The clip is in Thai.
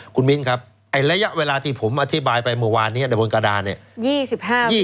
คุณมิ้นครับระยะเวลาที่ผมอธิบายไปเมื่อวานนี้ในบนกระดานเนี่ย